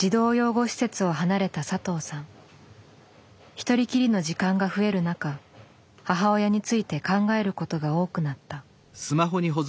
一人きりの時間が増える中母親について考えることが多くなった。